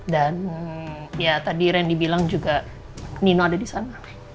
dan ya tadi randy bilang juga nino ada disana